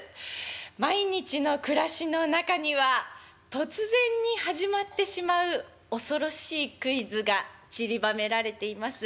毎日の暮らしの中には突然に始まってしまう恐ろしいクイズがちりばめられています。